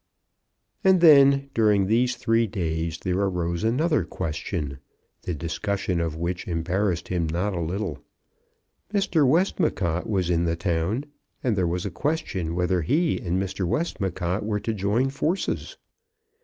And, then, during these three days there arose another question, the discussion of which embarrassed him not a little. Mr. Westmacott was in the town, and there was a question whether he and Mr. Westmacott were to join forces.